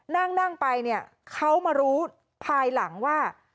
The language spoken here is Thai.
นั่งไปเขามารู้ภายหลังว่า